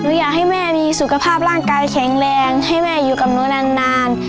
อยากให้แม่มีสุขภาพร่างกายแข็งแรงให้แม่อยู่กับหนูนาน